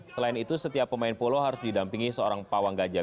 selain itu setiap pemain polo harus didampingi seorang pawang gajah